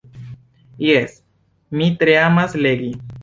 Jes, mi tre amas legi.